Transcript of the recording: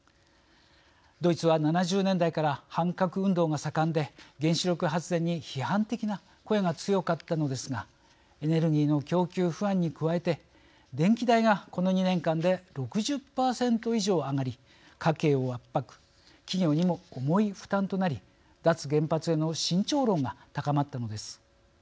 ドイツは７０年代から反核運動が盛んで原子力発電に批判的な声が強かったのですがエネルギーの供給不安に加えて電気代がこの２年間で６０％以上上がり家計を圧迫企業にも重い負担となり脱原発への慎重論が高まったのです。